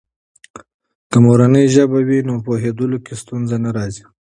که مورنۍ ژبه وي، نو پوهیدلو کې ستونزې نه راځي.